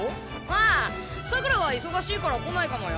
ああさくらは忙しいから来ないかもよ。